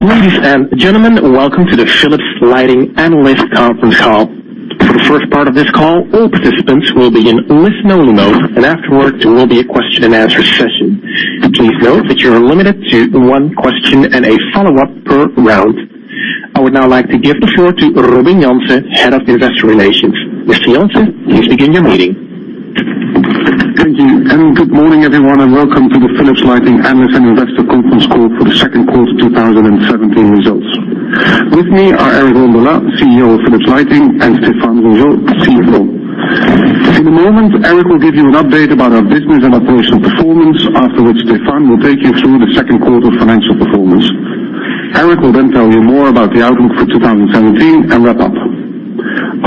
Ladies and gentlemen, welcome to the Philips Lighting Analyst Conference Call. For the first part of this call, all participants will be in listen-only mode, and afterwards, there will be a question-and-answer session. Please note that you are limited to one question and a follow-up per round. I would now like to give the floor to Robin Jansen, Head of Investor Relations. Mr. Jansen, please begin your meeting. Thank you. Good morning, everyone, and welcome to the Philips Lighting Analyst and Investor Conference Call for the second quarter 2017 results. With me are Eric Rondolat, CEO of Philips Lighting, and Stéphane Rougeot, CFO. In a moment, Eric will give you an update about our business and operational performance, after which Stéphane will take you through the second quarter financial performance. Eric will tell you more about the outlook for 2017 and wrap up.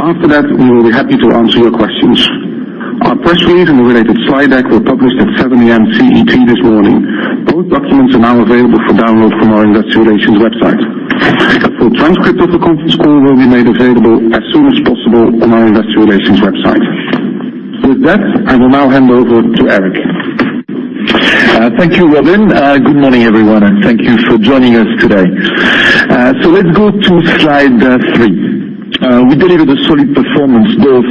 After that, we will be happy to answer your questions. Our press release and the related slide deck were published at 7:00 A.M. CET this morning. Both documents are now available for download from our investor relations website. A full transcript of the conference call will be made available as soon as possible on our investor relations website. With that, I will now hand over to Eric. Thank you, Robin. Good morning, everyone, and thank you for joining us today. Let's go to slide three. We delivered a solid performance both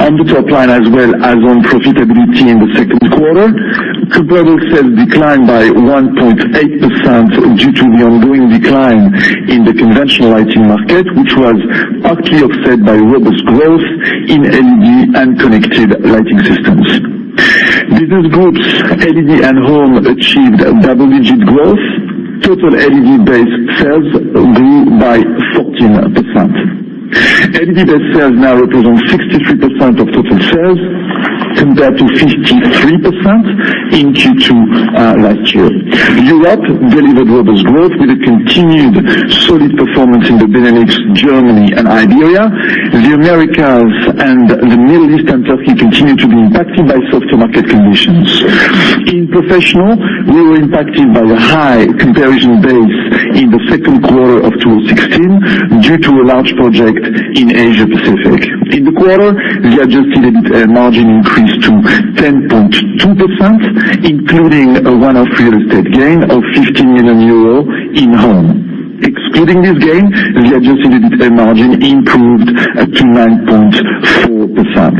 on the top line as well as on profitability in the second quarter. Comparable sales declined by 1.8% due to the ongoing decline in the conventional lighting market, which was partly offset by robust growth in LED and connected lighting systems. Business groups LED and Home achieved double-digit growth. Total LED-based sales grew by 14%. LED-based sales now represent 63% of total sales compared to 53% in Q2 last year. Europe delivered robust growth with a continued solid performance in the Benelux, Germany, and Iberia. The Americas and the Middle East and Turkey continue to be impacted by softer market conditions. In Professional, we were impacted by the high comparison base in the second quarter of 2016 due to a large project in Asia Pacific. In the quarter, the Adjusted EBITA margin increased to 10.2%, including a one-off real estate gain of 15 million euro in Home. Excluding this gain, the Adjusted EBITA margin improved to 9.4%.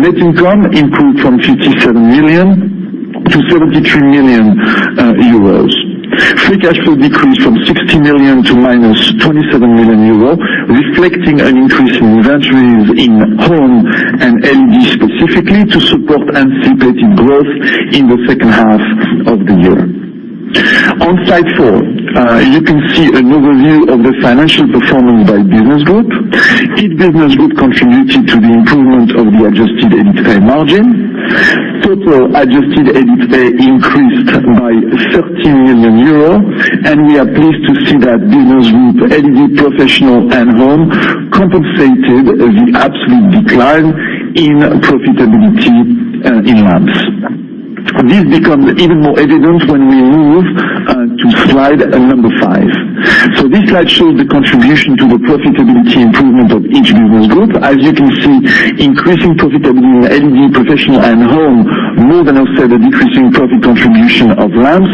Net income improved from 57 million to 73 million euros. Free cash flow decreased from 60 million to minus 27 million euro, reflecting an increase in inventories in Home and LED specifically to support anticipated growth in the second half of the year. On slide four, you can see an overview of the financial performance by business group. Each business group contributed to the improvement of the Adjusted EBITA margin. Total Adjusted EBITA increased by EUR 30 million. We are pleased to see that business group LED Professional and Home compensated the absolute decline in profitability in lamps. This becomes even more evident when we move to slide number five. This slide shows the contribution to the profitability improvement of each business group. As you can see, increasing profitability in LED Professional and Home more than offset the decreasing profit contribution of lamps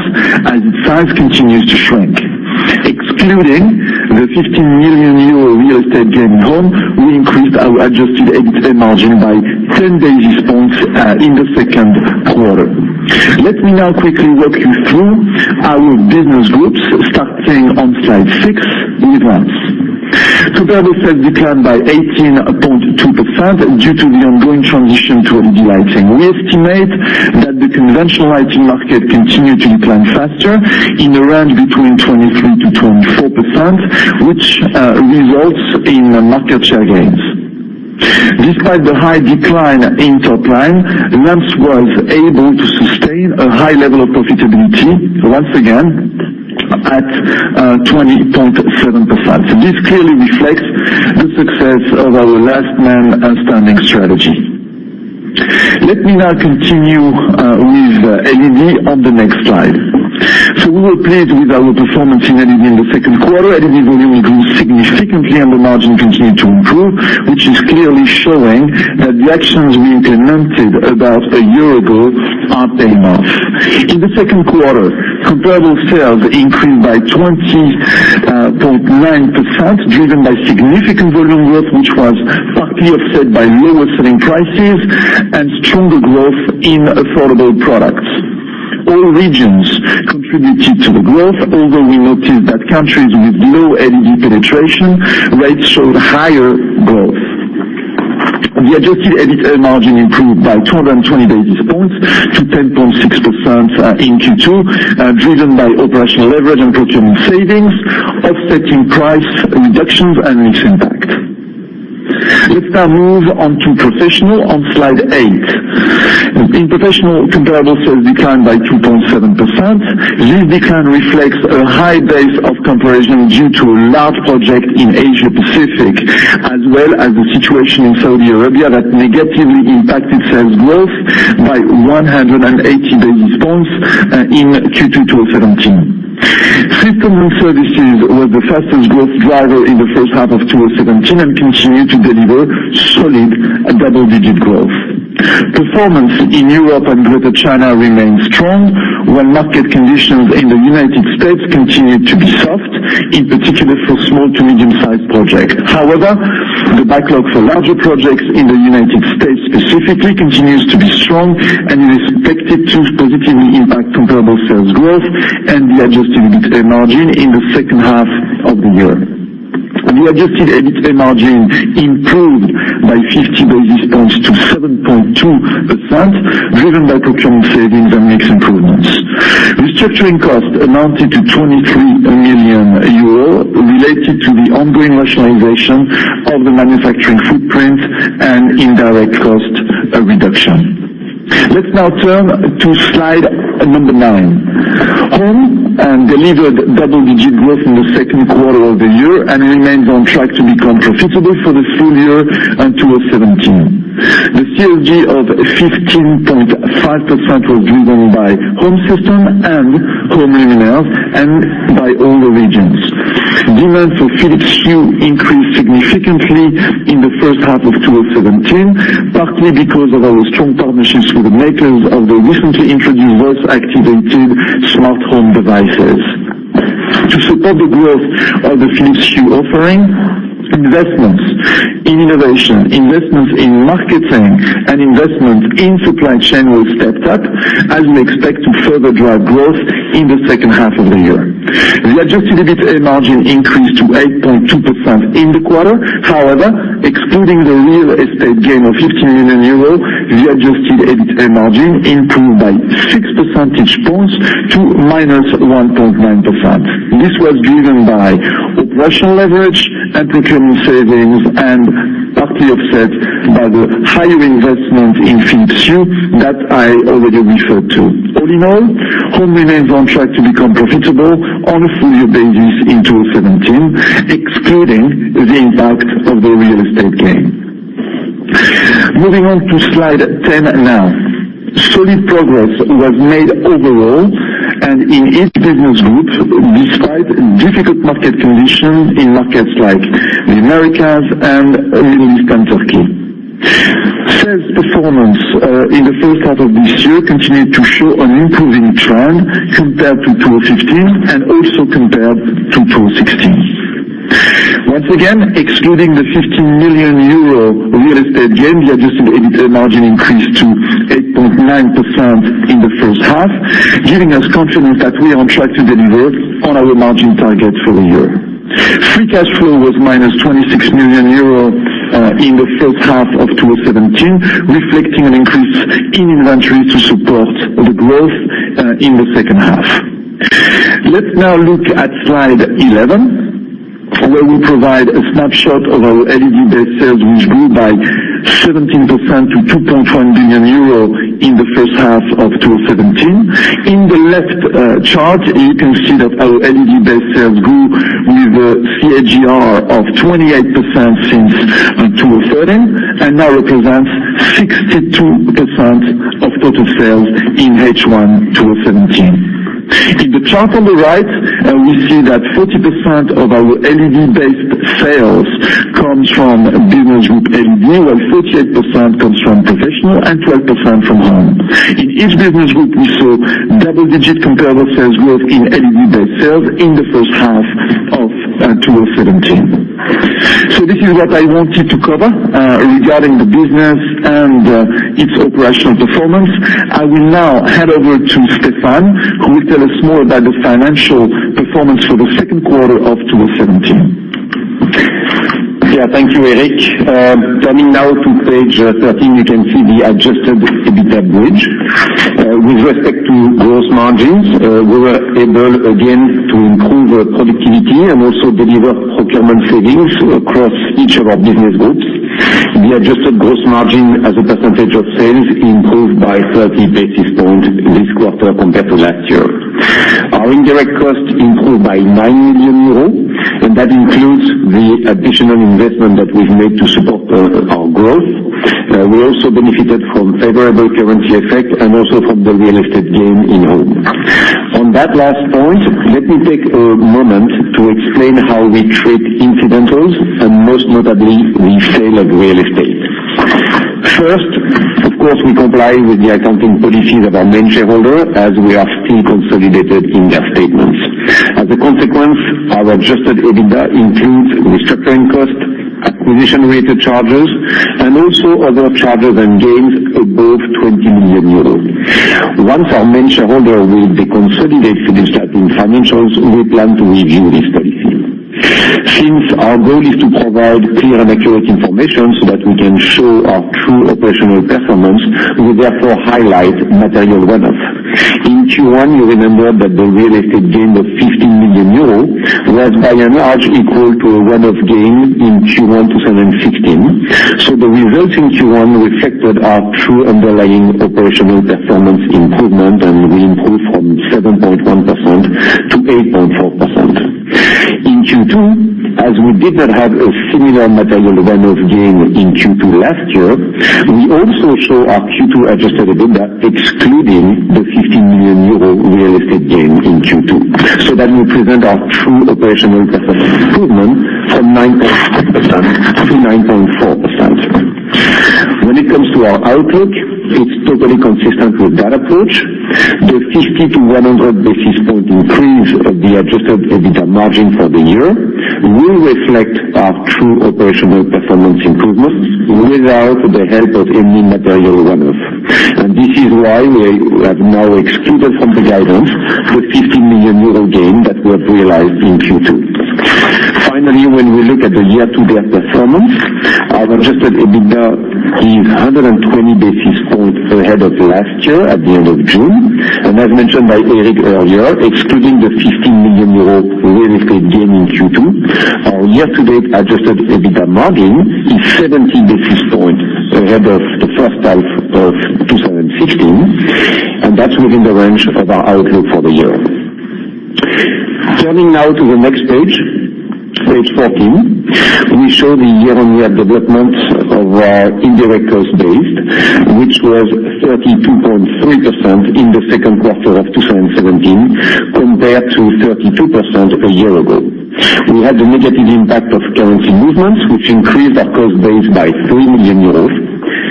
as its size continues to shrink. Excluding the 15 million euro real estate gain Home, we increased our Adjusted EBITA margin by 10 basis points in the second quarter. Let me now quickly walk you through our business groups, starting on slide six with Lamps. Comparable sales declined by 18.2% due to the ongoing transition to LED lighting. We estimate that the conventional lighting market continued to decline faster in the range between 23%-24%, which results in market share gains. Despite the high decline in top line, Lamps was able to sustain a high level of profitability, once again, at 20.7%. This clearly reflects the success of our last-man-standing strategy. Let me now continue with LED on the next slide. We were pleased with our performance in LED in the second quarter. LED volume grew significantly, and the margin continued to improve, which is clearly showing that the actions we implemented about a year ago are paying off. In the second quarter, comparable sales increased by 20.9%, driven by significant volume growth, which was partly offset by lower selling prices and stronger growth in affordable products. All regions contributed to the growth, although we noticed that countries with low LED penetration rates showed higher growth. The Adjusted EBITA margin improved by 220 basis points to 10.6% in Q2, driven by operational leverage and procurement savings, offsetting price reductions and mix impact. Let's now move on to Professional on slide eight. In Professional, comparable sales declined by 2.7%. This decline reflects a high base of comparison due to a large project in Asia Pacific, as well as the situation in Saudi Arabia that negatively impacted sales growth by 180 basis points in Q2 2017. System and Services was the fastest growth driver in the first half of 2017 and continued to deliver solid double-digit growth. Performance in Europe and greater China remains strong when market conditions in the U.S. continue to be soft, in particular for small to medium-sized projects. However, the backlog for larger projects in the U.S. specifically continues to be strong, and is expected to positively impact comparable sales growth and the Adjusted EBITA margin in the second half of the year. The Adjusted EBITA margin improved by 50 basis points to 7.2%, driven by procurement savings and mix improvements. Restructuring costs amounted to EUR 23 million related to the ongoing rationalization of the manufacturing footprint and indirect cost reduction. Let's now turn to slide number 9. Home delivered double-digit growth in the second quarter of the year and remains on track to become profitable for the full year in 2017. The CSG of 15.5% was driven by Home System and Home Luminaires, and by all the regions. Demand for Philips Hue increased significantly in the first half of 2017, partly because of our strong partnerships with the makers of the recently introduced voice-activated smart home devices. To support the growth of the Philips Hue offering, investments in innovation, investments in marketing, and investments in supply chain were stepped up as we expect to further drive growth in the second half of the year. The Adjusted EBITA margin increased to 8.2% in the quarter. However, excluding the real estate gain of EUR 15 million, the Adjusted EBITA margin improved by 6 percentage points to -1.9%. This was driven by operational leverage and procurement savings, and partly offset by the higher investment in Philips Hue that I already referred to. All in all, Home remains on track to become profitable on a full-year basis in 2017, excluding the impact of the real estate gain. Moving on to slide 10 now. Solid progress was made overall and in each business group, despite difficult market conditions in markets like the Americas and Middle East and Turkey. Sales performance in the first half of this year continued to show an improving trend compared to 2015 and also compared to 2016. Once again, excluding the 15 million euro real estate gain, the Adjusted EBITA margin increased to 8.9% in the first half, giving us confidence that we are on track to deliver on our margin targets for the year. Free cash flow was minus 26 million euro in the first half of 2017, reflecting an increase in inventory to support the growth in the second half. Let's now look at slide 11, where we provide a snapshot of our LED-based sales, which grew by 17% to EUR 2.4 billion in the first half of 2017. In the left chart, you can see that our LED-based sales grew with a CAGR of 28% since 2013 and now represents 62% of total sales in H1 2017. In the chart on the right, we see that 40% of our LED-based sales comes from business group LED, while 38% comes from Professional and 12% from Home. In each business group, we saw double-digit comparable sales growth in LED-based sales in the first half of 2017. This is what I wanted to cover regarding the business and its operational performance. I will now hand over to Stéphane, who will tell us more about the financial performance for the second quarter of 2017. Yeah. Thank you, Eric. Turning now to page 13, you can see the Adjusted EBITA bridge. With respect to gross margins, we were able again to improve our productivity and also deliver procurement savings across each of our business groups. The adjusted gross margin as a percentage of sales improved by 30 basis points this quarter compared to last year. Our indirect costs improved by 9 million euros, and that includes the additional investment that we've made to support our growth. We also benefited from favorable currency effect and also from the real estate gain in Home. On that last point, let me take a moment to explain how we treat incidentals and most notably, the sale of real estate. First, of course, we comply with the accounting policies of our main shareholder as we are still consolidated in their statements. As a consequence, our Adjusted EBITA includes restructuring costs, acquisition-related charges, and also other charges and gains above 20 million euros. Once our main shareholder will deconsolidate Philips Lighting financials, we plan to review this policy. Since our goal is to provide clear and accurate information so that we can show our true operational performance, we therefore highlight material one-offs. In Q1, you remember that the real estate gain of 15 million euros was by and large equal to a one-off gain in Q1 2016. The results in Q1 reflected our true underlying operational performance improvement, and we improved from 7.1% to 8.4%. In Q2, as we did not have a similar material one-off gain in Q2 last year, we also show our Q2 Adjusted EBITA excluding the 15 million euro real estate gain in Q2. That we present our true operational performance improvement from 9.6% to 9.4%. When it comes to our outlook, it's totally consistent with that approach. The 50 to 100 basis point increase of the Adjusted EBITA margin for the year will reflect our true operational performance improvements without the help of any material one-offs. This is why we have now excluded from the guidance the 50 million euro gain that we have realized in Q2. Finally, when we look at the year-to-date performance, our Adjusted EBITA is 120 basis points ahead of last year at the end of June. As mentioned by Eric earlier, excluding the 50 million euro real estate gain in Q2, our year-to-date Adjusted EBITA margin is 70 basis points ahead of the first half of 2016, and that's within the range of our outlook for the year. Turning now to the next page 14, we show the year-on-year development of our indirect cost base, which was 32.3% in the second quarter of 2017, compared to 32% a year ago. We had the negative impact of currency movements, which increased our cost base by 3 million euros. We continue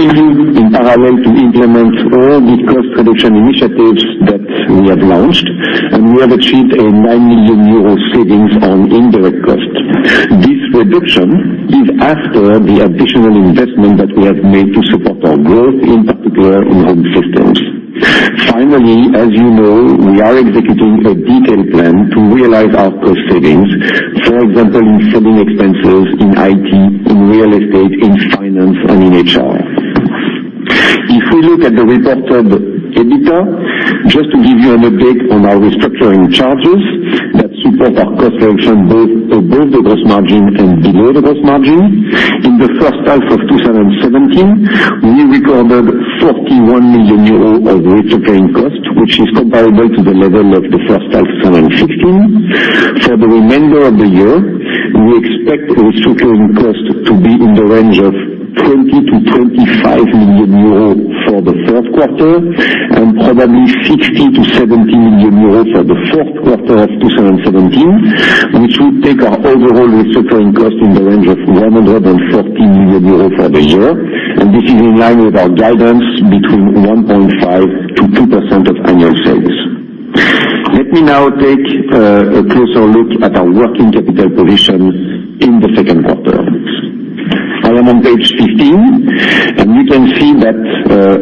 in parallel to implement all the cost reduction initiatives that we have launched, we have achieved a 9 million euro savings on indirect costs. This reduction is after the additional investment that we have made to support our growth, in particular, in Home systems. Finally, as you know, we are executing a detailed plan to realize our cost savings, for example, in Selling expenses, in IT, in real estate, in finance, and in HR. If we look at the reported EBITA, just to give you an update on our restructuring charges that support our cost reduction both above the gross margin and below the gross margin. In the first half of 2017, we recorded EUR 41 million of restructuring costs, which is comparable to the level of the first half 2016. For the remainder of the year, we expect restructuring costs to be in the range of 20 million-25 million euros for the Q3, and probably EUR 60 million-EUR 70 million for the Q4 of 2017, which would take our overall restructuring cost in the range of EUR 140 million for the year. This is in line with our guidance between 1.5%-2% of annual sales. Let me now take a closer look at our working capital position in the second quarter. I am on page 15. You can see that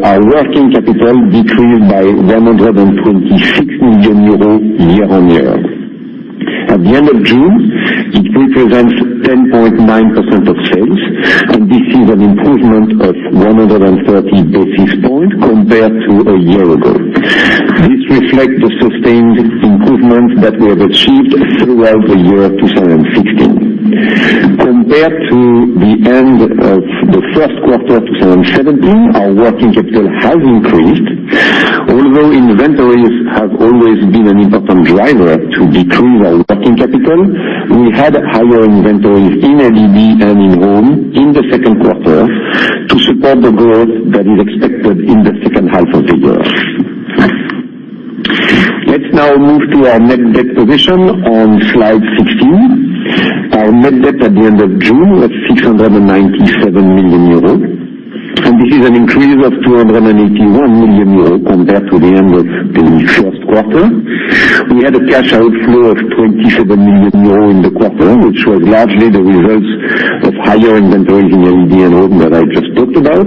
our working capital decreased by €126 million year-on-year. At the end of June, it represents 10.9% of sales. This is an improvement of 130 basis points compared to a year ago. This reflects the sustained improvements that we have achieved throughout the year 2016. Compared to the end of the first quarter of 2017, our working capital has increased. Although inventories have always been an important driver to decrease our working capital, we had higher inventories in LED and in Home in the second quarter to support the growth that is expected in the second half of the year. Let's now move to our net debt position on slide 16. Our net debt at the end of June was €697 million. This is an increase of €281 million compared to the end of the first quarter. We had a cash outflow of €27 million in the quarter, which was largely the result of higher inventories in LED and Home that I just talked about.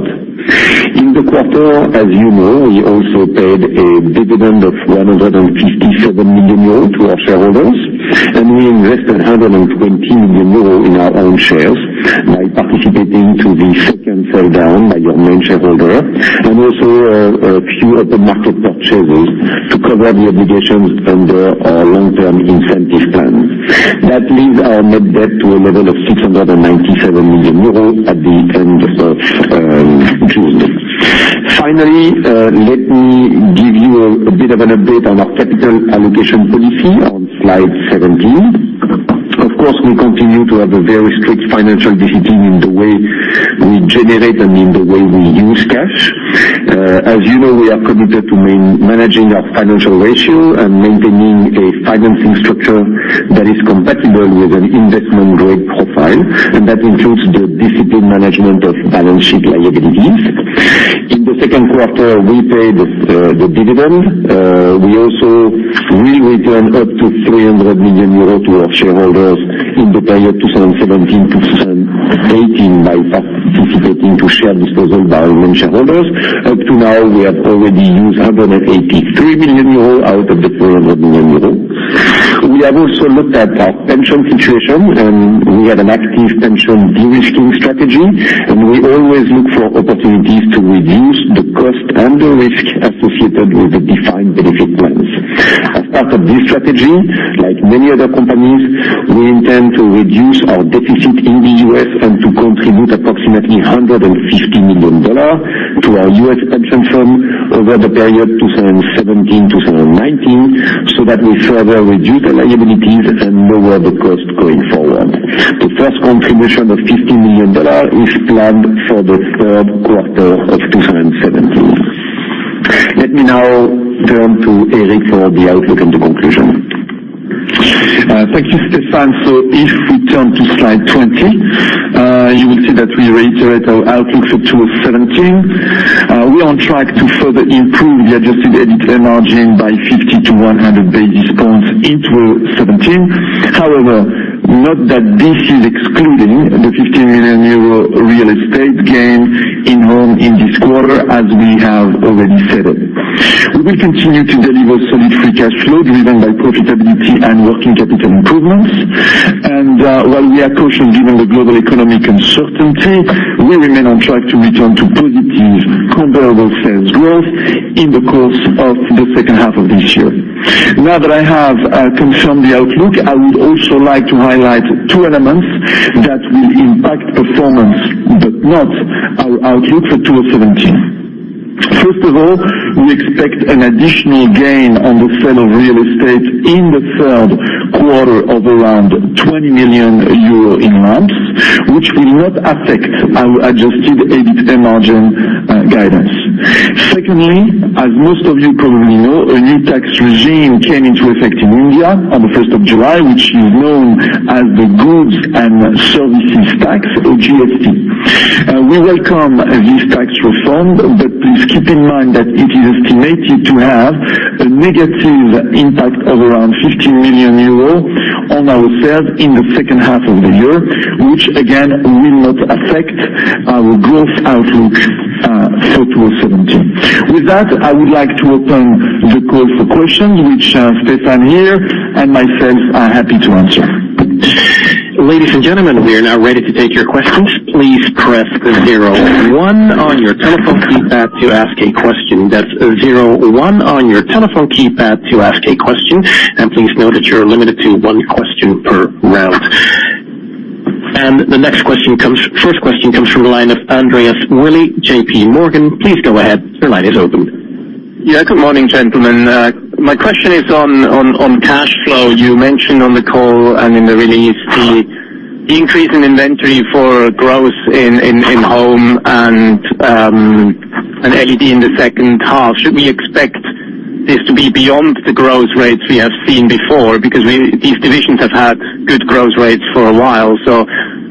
In the quarter, as you know, we also paid a dividend of €157 million to our shareholders. We invested €120 million in our own shares by participating to the second sale down by our main shareholder. Also a few open market purchases to cover the obligations under our long-term incentive plan. Our net debt to a level of €697 million at the end of June. Finally, let me give you a bit of an update on our capital allocation policy on slide 17. We continue to have a very strict financial discipline in the way we generate and in the way we use cash. As you know, we are committed to managing our financial ratio and maintaining a financing structure that is compatible with an investment-grade profile. That includes the disciplined management of balance sheet liabilities. In the second quarter, we paid the dividend. We will return up to €300 million to our shareholders in the period 2017 to 2018 by participating to share disposal by our main shareholders. Up to now, we have already used €183 million out of the €300 million. We have also looked at our pension situation. We have an active pension derisking strategy. We always look for opportunities to reduce the cost and the risk associated with the defined benefit plans. As part of this strategy, like many other companies, we intend to reduce our deficit in the U.S. To contribute approximately $150 million to our U.S. pension fund over the period 2017-2019. That we further reduce our liabilities and lower the cost of Contribution of $50 million is planned for the third quarter of 2017. Let me now turn to Eric for the outlook and the conclusion. Thank you, Stéphane. If we turn to slide 20, you will see that we reiterate our outlook for 2017. We are on track to further improve the Adjusted EBITA margin by 50 to 100 basis points in 2017. However, note that this is excluding the EUR 15 million real estate gain in Home in this quarter, as we have already said. We will continue to deliver solid free cash flow driven by profitability and working capital improvements. While we are cautious given the global economic uncertainty, we remain on track to return to positive Comparable Sales Growth in the course of the second half of this year. That I have confirmed the outlook, I would also like to highlight two elements that will impact performance but not our outlook for 2017. First of all, we expect an additional gain on the sale of real estate in the third quarter of around EUR 20 million in months, which will not affect our Adjusted EBITA margin guidance. Secondly, as most of you probably know, a new tax regime came into effect in India on the 1st of July, which is known as the Goods and Services Tax or GST. We welcome this tax reform, please keep in mind that it is estimated to have a negative impact of around 15 million euros on our sales in the second half of the year, which again, will not affect our growth outlook for 2017. That, I would like to open the call for questions, which Stéphane here and myself are happy to answer. Ladies and gentlemen, we are now ready to take your questions. Please press the zero one on your telephone keypad to ask a question. That's zero one on your telephone keypad to ask a question, please note that you're limited to one question per round. The first question comes from the line of Andreas Willi, J.P. Morgan. Please go ahead. Your line is open. Yeah. Good morning, gentlemen. My question is on cash flow. You mentioned on the call and in the release the increase in inventory for growth in Home and LED in the second half. Should we expect this to be beyond the growth rates we have seen before? These divisions have had good growth rates for a while,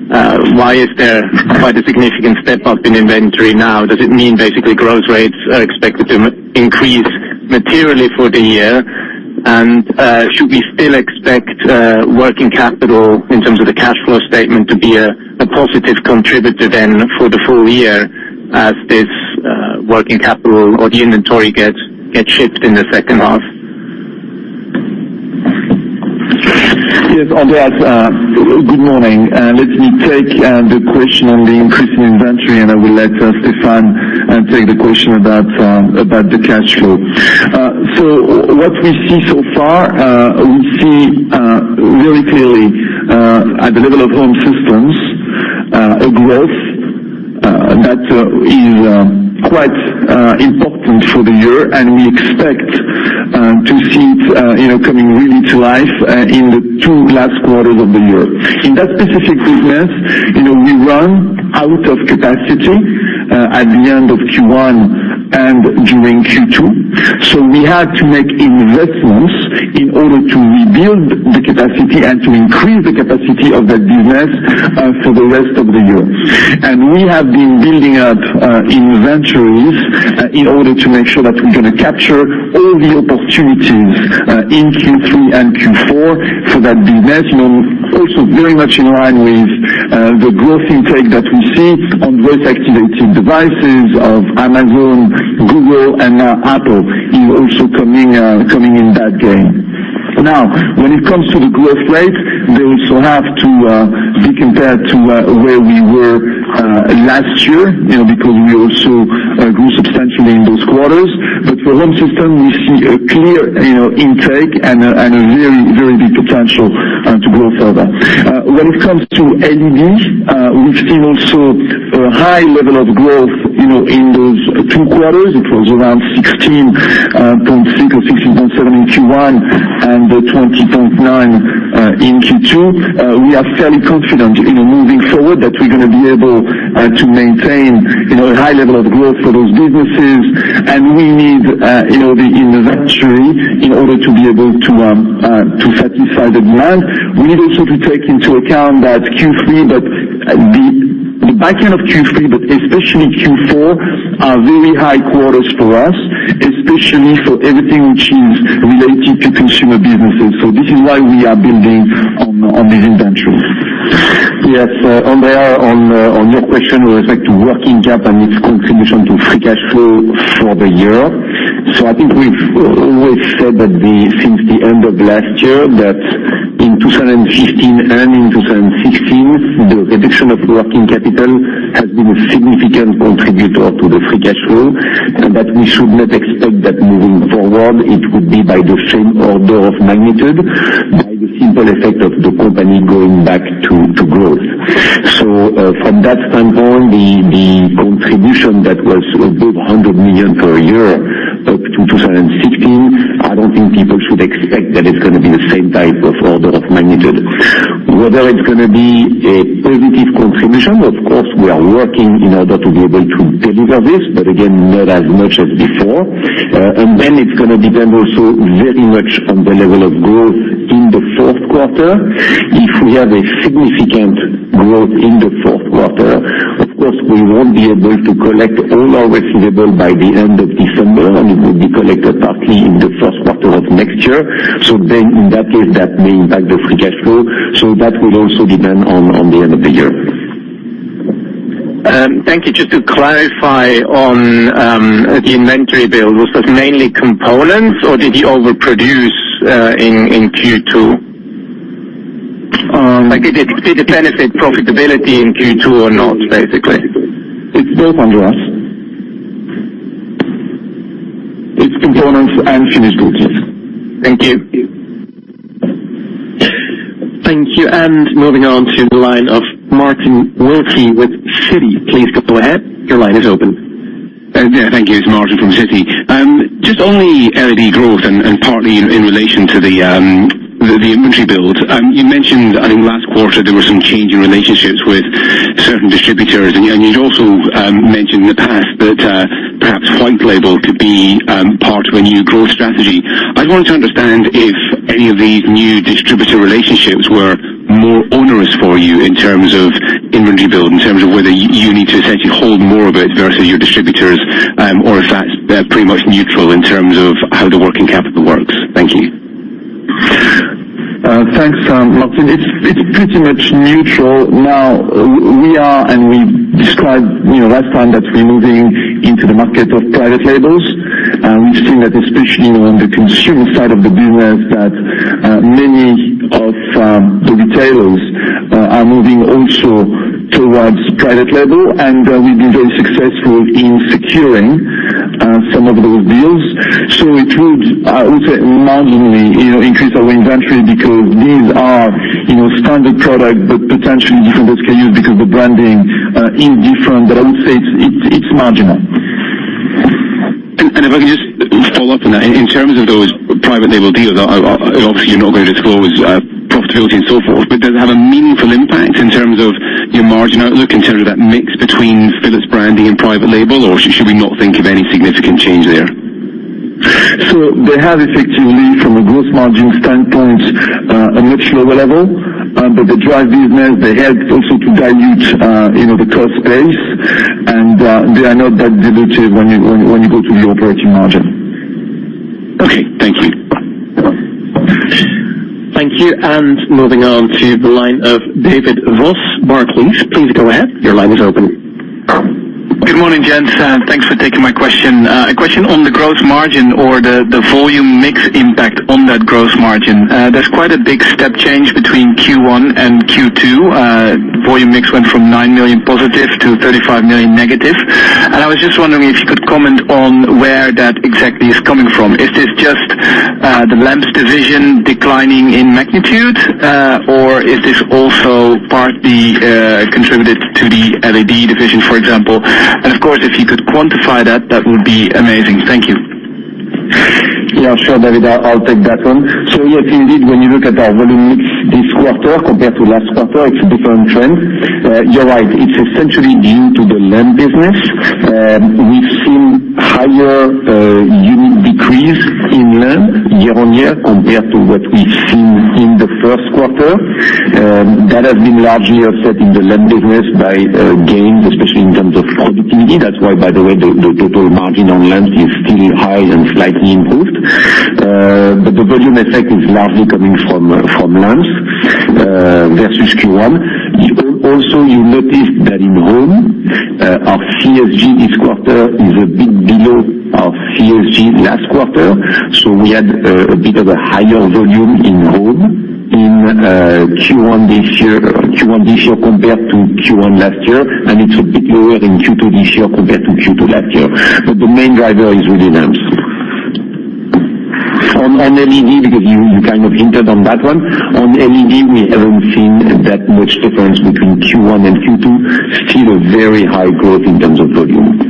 why is there quite a significant step up in inventory now? Does it mean basically growth rates are expected to increase materially for the year? Should we still expect working capital in terms of the cash flow statement to be a positive contributor then for the full year as this working capital or the inventory gets shipped in the second half? Yes, Andreas, good morning. Let me take the question on the increase in inventory, and I will let Stéphane take the question about the cash flow. What we see so far, we see very clearly, at the level of Home systems, a growth that is quite important for the year and we expect to see it coming really to life in the two last quarters of the year. In that specific business, we run out of capacity at the end of Q1 and during Q2. We had to make investments in order to rebuild the capacity and to increase the capacity of that business for the rest of the year. We have been building up inventories in order to make sure that we're going to capture all the opportunities in Q3 and Q4 for that business, also very much in line with the growth intake that we see on voice-activated devices of Amazon, Google, and now Apple is also coming in that game. When it comes to the growth rate, they also have to be compared to where we were last year, because we also grew substantially in those quarters. For Home system, we see a clear intake and a very big potential to grow further. When it comes to LEDs, we've seen also a high level of growth in those two quarters. It was around 16.6 or 16.7 in Q1 and 20.9 in Q2. We are fairly confident in moving forward that we're going to be able to maintain a high level of growth for those businesses. We need the inventory in order to be able to satisfy the demand. We need also to take into account that the back end of Q3, but especially Q4, are very high quarters for us, especially for everything which is related to consumer businesses. This is why we are building on these inventories. Yes. Andreas, on your question with respect to working cap and its contribution to free cash flow for the year. I think we've always said that since the end of last year, that in 2015 and in 2016, the reduction of working capital has been a significant contributor to the free cash flow, and that we should not expect that moving forward, it would be by the same order of magnitude by the simple effect of the company going back to growth. From that standpoint, the contribution that was above 100 million per year up to 2016, I don't think people should expect that it's going to be the same type of magnitude. Whether it's going to be a positive contribution, of course, we are working in order to be able to deliver this, but again, not as much as before. It's going to depend also very much on the level of growth in the fourth quarter. If we have a significant growth in the fourth quarter, of course, we won't be able to collect all our receivable by the end of December, and it will be collected partly in the first quarter of next year. In that case, that may impact the free cash flow. That will also depend on the end of the year. Thank you. Just to clarify on the inventory build, was this mainly components or did you overproduce in Q2? Um- Did it benefit profitability in Q2 or not, basically? It's both, Andreas. It's components and finished goods. Thank you. Thank you. Moving on to the line of Martin Wilkie with Citi. Please go ahead. Your line is open. Yeah. Thank you. It's Martin from Citi. Just only LED growth and partly in relation to the inventory build. You mentioned, I think last quarter, there was some change in relationships with certain distributors, and you also mentioned in the past that perhaps white label could be part of a new growth strategy. I wanted to understand if any of these new distributor relationships were more onerous for you in terms of inventory build, in terms of whether you need to essentially hold more of it versus your distributors, or if that's pretty much neutral in terms of how the working capital works. Thank you. Thanks, Martin. It's pretty much neutral. We are and we described last time that we're moving into the market of private labels. We've seen that especially on the consumer side of the business, that many of the retailers are moving also towards private label, and we've been very successful in securing some of those deals. It would, I would say, marginally increase our inventory because these are standard product, but potentially different SKUs because the branding is different, but I would say it's marginal. If I can just follow up on that. In terms of those private label deals, obviously, you're not going to disclose profitability and so forth, but does it have a meaningful impact in terms of your margin outlook, in terms of that mix between Philips branding and private label, or should we not think of any significant change there? They have effectively, from a gross margin standpoint, a much lower level. They drive business. They help also to dilute the cost base, and they are not that dilutive when you go to the operating margin. Okay. Thank you. Thank you. Moving on to the line of David Vos, Barclays. Please go ahead. Your line is open. Good morning, gents. Thanks for taking my question. A question on the gross margin or the volume mix impact on that gross margin. There's quite a big step change between Q1 and Q2. Volume mix went from 9 million positive to 35 million negative. I was just wondering if you could comment on where that exactly is coming from. Is this just the lamps division declining in magnitude, or is this also partly contributed to the LED division, for example? Of course, if you could quantify that would be amazing. Thank you. Yeah, sure, David. I'll take that one. Yes, indeed, when you look at our volume mix this quarter compared to last quarter, it's a different trend. You're right, it's essentially due to the lamp business. We've seen higher unit decrease in lamp year-on-year compared to what we've seen in the first quarter. That has been largely offset in the lamp business by gains, especially in terms of productivity. That's why, by the way, the total margin on lamps is still high and slightly improved. The volume effect is largely coming from lamps versus Q1. Also, you noticed that in Home, our CSG this quarter is a bit below our CSG last quarter. We had a bit of a higher volume in Home in Q1 this year compared to Q1 last year, and it's a bit lower in Q2 this year compared to Q2 last year. The main driver is really lamps. On LED, because you kind of hinted on that one. On LED, we haven't seen that much difference between Q1 and Q2. Still very high growth in terms of volume.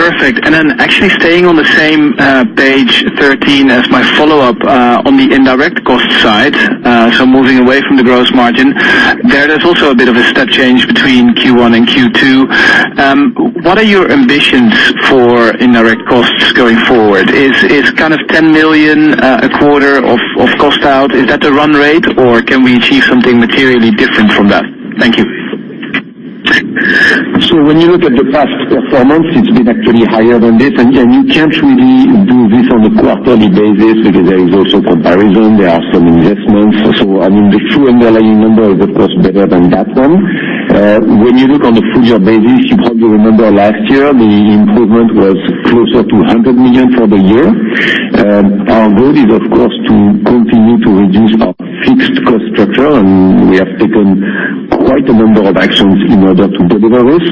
Perfect. Then actually staying on the same page 13 as my follow-up, on the indirect cost side, moving away from the gross margin. There is also a bit of a step change between Q1 and Q2. What are your ambitions for indirect costs going forward? Is kind of 10 million a quarter of cost out, is that a run rate, or can we achieve something materially different from that? Thank you. When you look at the past performance, it has been actually higher than this. You cannot really do this on a quarterly basis because there is also comparison. There are some investments. The true underlying number is, of course, better than that one. When you look on a full year basis, you probably remember last year, the improvement was closer to 100 million for the year. Our goal is, of course, to continue to reduce our fixed cost structure. We have taken quite a number of actions in order to deliver this.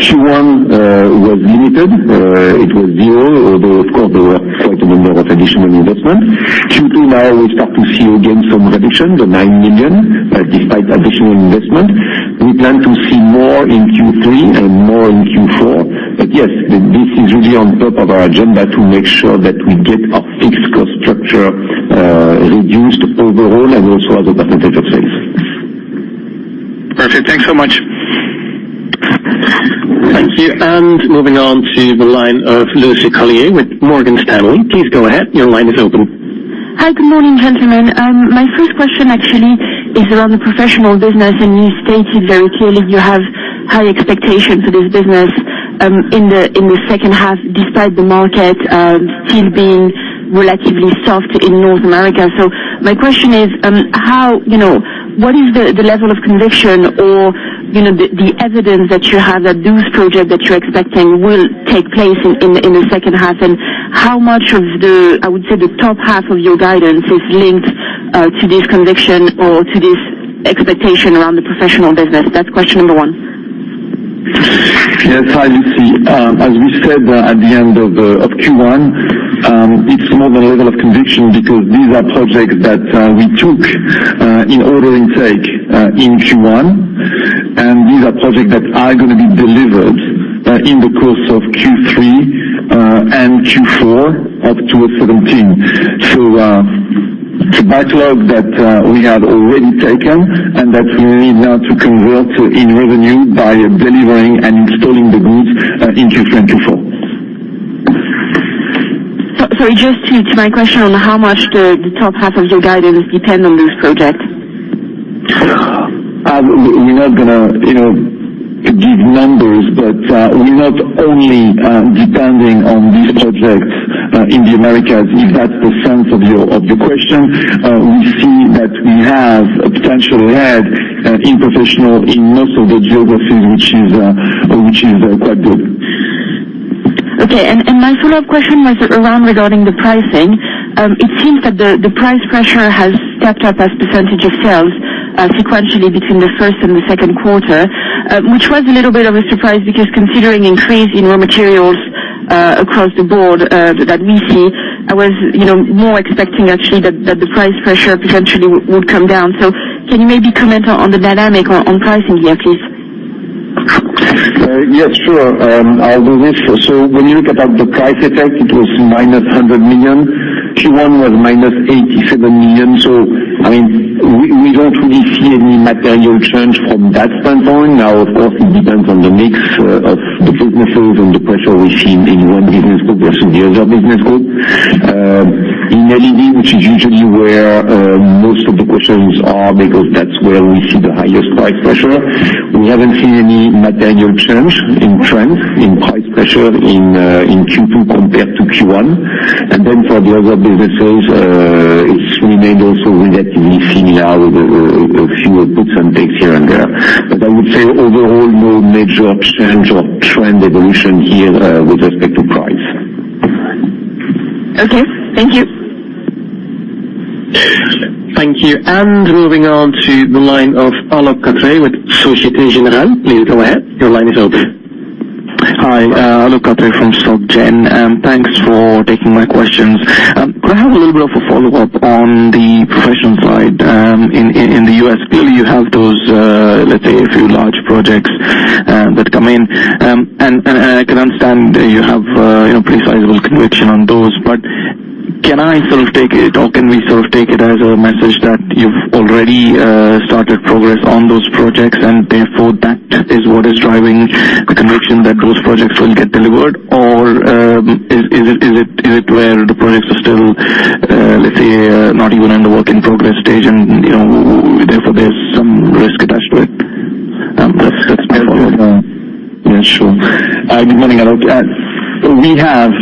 Q1 was limited. It was zero, although, of course, there were quite a number of additional investment. Q2, now we start to see again some reduction to 9 million, despite additional investment. We plan to see more in Q3 and more in Q4. Yes, this is really on top of our agenda to make sure that we get our fixed cost structure reduced overall and also as a % of sales. Perfect. Thanks so much. Thank you. Moving on to the line of Lucie Carrier with Morgan Stanley. Please go ahead. Your line is open. Hi. Good morning, gentlemen. My first question actually is around the Professional business. You stated very clearly you have high expectations for this business in the second half, despite the market still being relatively soft in North America. My question is what is the level of conviction or the evidence that you have that those projects that you're expecting will take place in the second half, and how much of the, I would say, the top half of your guidance is linked to this conviction or to this expectation around the Professional business? That's question number one. Yes. Hi, Lucie. As we said at the end of Q1, it's more than a level of conviction because these are projects that we took in order intake in Q1, and these are projects that are going to be delivered in the course of Q3 and Q4 of 2017. It's a backlog that we have already taken and that we need now to convert in revenue by delivering and installing the goods in Q4. Sorry, just to my question on how much the top half of your guidance depend on those projects. We're not going to give numbers. We're not only depending on these projects in the Americas, if that's the sense of the question. We see that we have a potential lead in Professional in most of the geographies, which is quite good. Okay. My follow-up question was around regarding the pricing. It seems that the price pressure has stepped up as a % of sales sequentially between the first and the second quarter, which was a little bit of a surprise because considering increase in raw materials across the board that we see, I was more expecting actually that the price pressure potentially would come down. Can you maybe comment on the dynamic on pricing here, please? Yes, sure. I'll do this. When you look at the price effect, it was -100 million. Q1 was -87 million. I mean, we don't really see any material change from that standpoint. Of course, it depends on the mix of the businesses and the pressure we see in one business group versus the other business group. In LED, which is usually where most of the questions are because that's where we see the highest price pressure, we haven't seen any material change in trend in price pressure in Q2 compared to Q1. For the other businesses, it remained also relatively similar with a few puts and takes here and there. I would say overall, no major change or trend evolution here with respect to price. Okay. Thank you. Thank you. Moving on to the line of Alok Katre with Societe Generale. Please go ahead. Your line is open. Hi. Alok Katre from Soc Gen. Thanks for taking my questions. Could I have a little bit of a follow-up on the Professional side in the U.S.? Clearly you have those, let's say a few large projects that come in. I can understand that you have a pretty sizable conviction on those, can I sort of take it, or can we sort of take it as a message that you've already started progress on those projects and therefore that is what is driving the conviction that those projects will get delivered? Is it where the projects are still, let's say, not even in the work in progress stage and therefore there's some risk attached to it? That's my first one. Yeah, sure. Good morning, Alok. We have,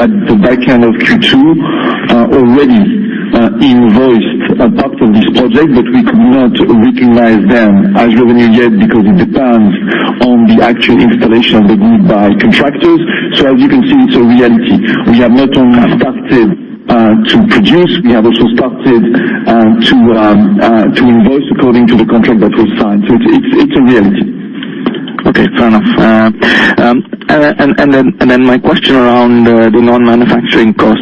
at the back end of Q2, already invoiced a part of this project, we could not recognize them as revenue yet because it depends on the actual installation of the LED by contractors. As you can see, it's a reality. We have not only started to produce, we have also started to invoice according to the contract that was signed. It's a reality. Okay. Fair enough. My question around the non-manufacturing costs.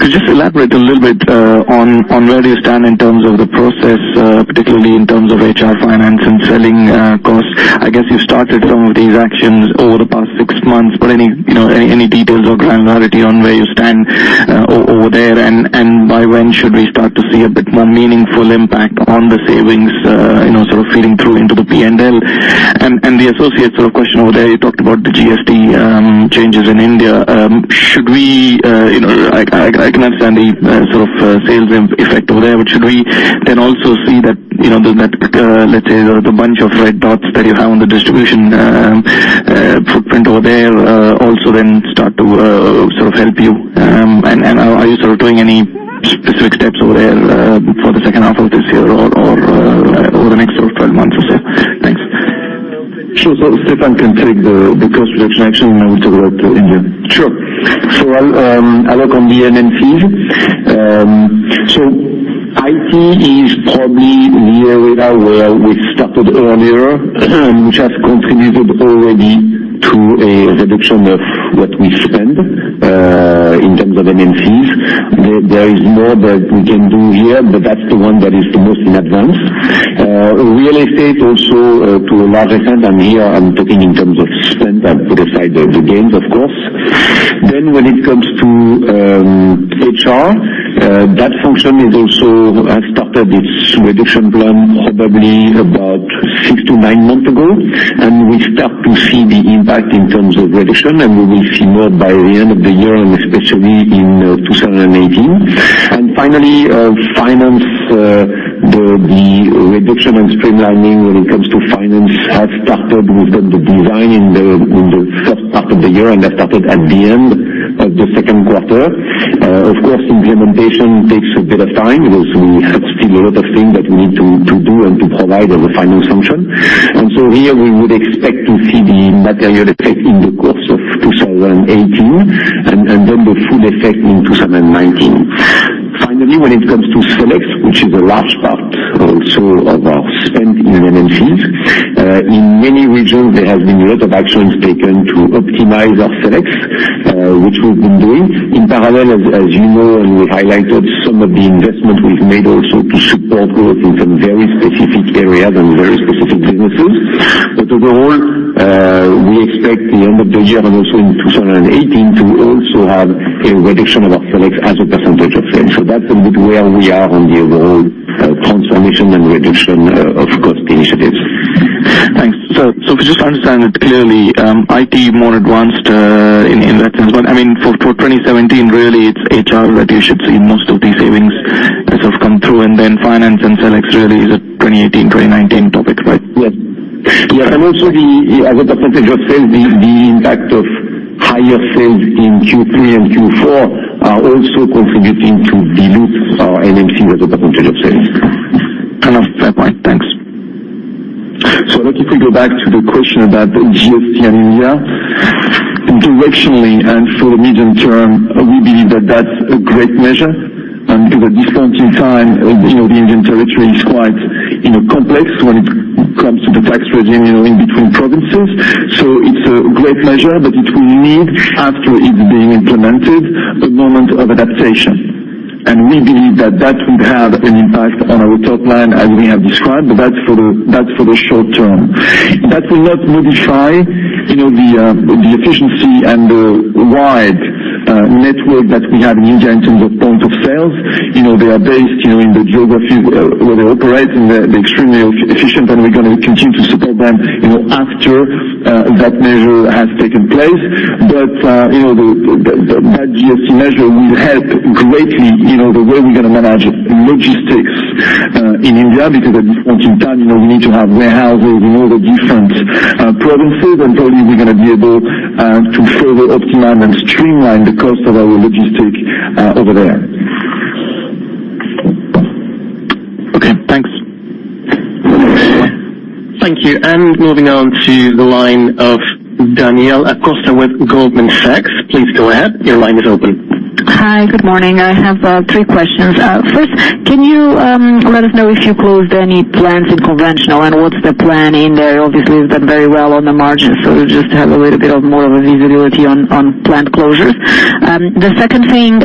Could you just elaborate a little bit on where you stand in terms of the process, particularly in terms of HR, finance, and selling costs? I guess you started some of these actions over the past six months, any details or granularity on where you stand over there and by when should we start to see a bit more meaningful impact on the savings sort of feeding through into the P&L? The associates sort of question over there, you talked about the GST changes in India. I can understand the sort of sales effect over there, should we then also see that, let's say the bunch of red dots that you have on the distribution footprint over there also then start to sort of help you? Are you sort of doing any specific steps over there for the second half of this year or over the next sort of 12 months or so? Thanks. Sure. Stéphane can take the cost reduction action and I will talk to India. Sure. Alok, on the MNCs. IT is probably the area where we started earlier, which has contributed already to a reduction of what we spend in terms of MNCs. There is more that we can do here, but that's the one that is the most in advance. Real estate also to a large extent, and here I'm talking in terms of spend. I put aside the gains, of course. When it comes to HR, that function has also started its reduction plan probably about six to nine months ago, and we start to see the impact in terms of reduction, and we will see more by the end of the year and especially in 2018. Finally, finance. The reduction and streamlining when it comes to finance has started. We've done the design in the first part of the year, and that started at the end of the second quarter. Of course, implementation takes a bit of time because we have still a lot of things that we need to do and to provide as a finance function. Here we would expect to see the material effect in the course of 2018 and then the full effect in 2019. Finally, when it comes to SellEx, which is a large part also of our spend in MNCs. In many regions, there have been a lot of actions taken to optimize our SellEx, which we've been doing. In parallel, as you know, we highlighted some of the investments we've made also to support growth in some very specific areas and very specific businesses. Overall, we expect the end of the year and also in 2018 to also have a reduction of our SellEx as a % of sales. That's a bit where we are on the overall transformation and reduction of cost initiatives. Thanks. If we just understand it clearly, IT more advanced in that sense. For 2017, really, it's HR where you should see most of these savings come through, and then finance and SellEx really is a 2018, 2019 topic, right? Yes. Also the percentage of sales, the impact of higher sales in Q3 and Q4 are also contributing to dilute our MNC as a percentage of sales. Fair point. Thanks. Let me quickly go back to the question about the GST in India. Directionally for the medium term, we believe that that's a great measure. At this point in time, the Indian territory is quite complex when it comes to the tax regime in between provinces. It's a great measure, it will need, after it's been implemented, a moment of adaptation. We believe that will have an impact on our top line as we have described, that's for the short term. That will not modify the efficiency and the wide network that we have in India in terms of point of sales. They are based in the geography where they operate, and they're extremely efficient, and we're going to continue to support them after that measure has taken place. That GST measure will help greatly the way we're going to manage logistics in India, because at this point in time, we need to have warehouses in all the different provinces, and probably we're going to be able to further optimize and streamline the cost of our logistics over there. Okay, thanks. Thank you. Moving on to the line of Daniela Costa with Goldman Sachs. Please go ahead. Your line is open. Hi, good morning. I have three questions. First, can you let us know if you closed any plants in conventional, what's the plan in there? Obviously, you've done very well on the margins, to just have a little bit of more of a visibility on plant closures. The second thing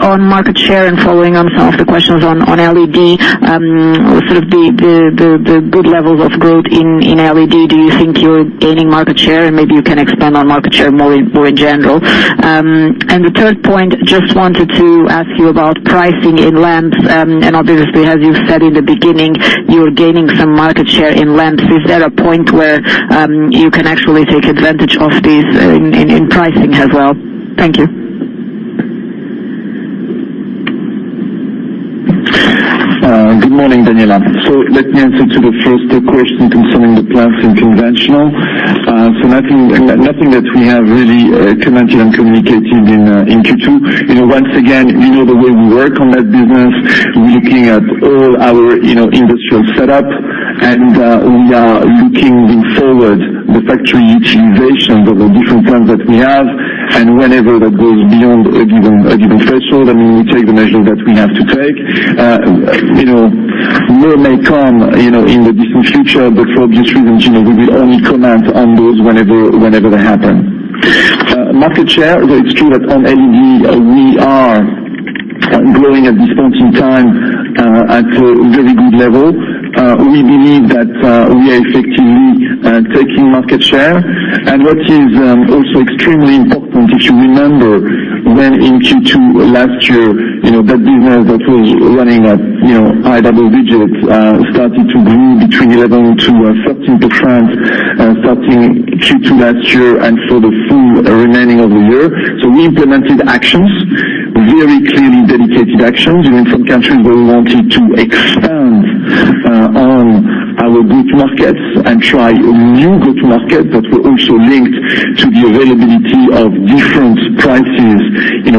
on market share and following on some of the questions on LED, the good levels of growth in LED. Do you think you're gaining market share? Maybe you can expand on market share more in general. The third point, just wanted to ask you about pricing in lamps. Obviously, as you said in the beginning, you're gaining some market share in lamps. Is there a point where you can actually take advantage of these in pricing as well? Thank you. Good morning, Daniela. Let me answer to the first question concerning the plants in conventional. Nothing that we have really commented on communicating in Q2. Once again, you know the way we work on that business. We're looking at all our industrial setup, we are looking forward the factory utilization of the different plants that we have, whenever that goes beyond a given threshold, we will take the measures that we have to take. More may come in the distant future. For obvious reasons, we will only comment on those whenever they happen. Market share, it's true that on LED, we are growing at this point in time at a very good level. We believe that we are effectively taking market share. What is also extremely important, if you remember when in Q2 last year, that business that was running at high double digits started to grow between 11% to 13% starting Q2 last year and for the full remaining of the year. We implemented actions, very clearly dedicated actions. In some countries, we wanted to expand on our go-to markets and try new go-to markets that were also linked to the availability of different prices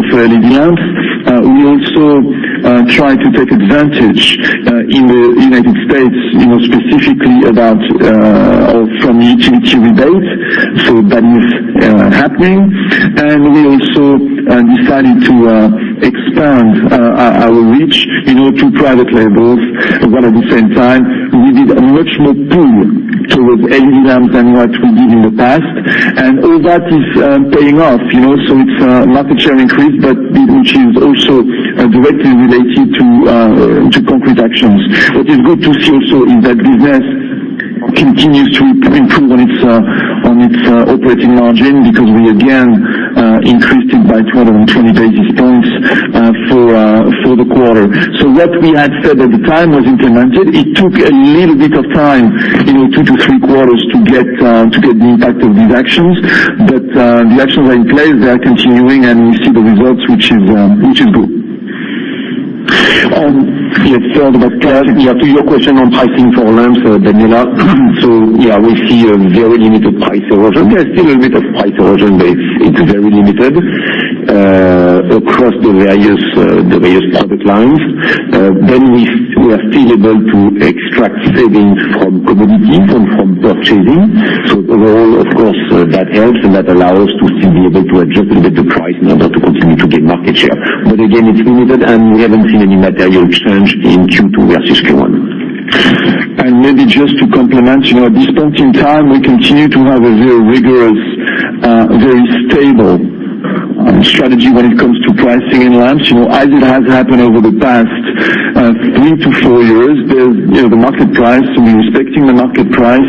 for LED lamps. We also tried to take advantage in the U.S., specifically from utility rebates. That is happening. We also decided to expand our reach to private labels. At the same time, we did a much more pull towards LED lamps than what we did in the past. All that is paying off. It's a market share increase, but which is also directly related to concrete actions. What is good to see also is that business continues to improve on its operating margin because we again increased it by 220 basis points for the quarter. What we had said at the time was implemented, it took a little bit of time, two to three quarters to get the impact of these actions. The actions are in place, they are continuing, and we see the results, which is good. On, yes. To your question on pricing for lamps, Daniela. Yeah, we see a very limited price erosion. There's still a bit of price erosion, but it's very limited across the various product lines. We are still able to extract savings from commodities and from purchasing. Overall, of course, that helps, and that allows us to still be able to adjust a bit the price in order to continue to gain market share. Again, it's limited, and we haven't seen any material change in Q2 versus Q1. Maybe just to complement, at this point in time, we continue to have a very rigorous, very stable strategy when it comes to pricing in lamps. As it has happened over the past three to four years, the market price, respecting the market price,